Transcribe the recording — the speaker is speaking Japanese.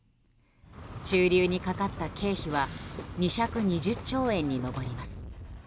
駐留にかかった経費は２２０兆円に上ります。